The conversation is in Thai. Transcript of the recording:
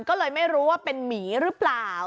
ก็เลยไม่รู้ว่าเป็นหมีหรือเปล่า